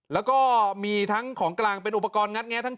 แล้วก็มีทั้งของกลางเป็นอุปกรณ์งัดแงะทั้ง